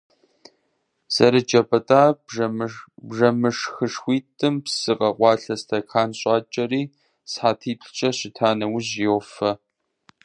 Зэрыджэ пӀытӀа бжэмышхышхуитӀым псы къэкъуалъэ стэкан щӀакӀэри, сыхьэтиплӏкӀэ щыта нэужь, йофэ.